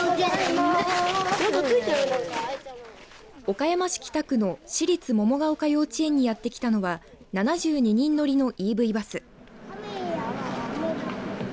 岡山市北区の市立桃丘幼稚園にやってきたのは７２人乗りのＥＶバス。